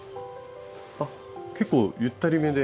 あっ結構ゆったりめで。